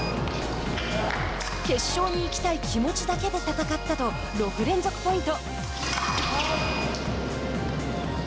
決勝に行きたい気持ちだけで戦ったと６連続ポイント。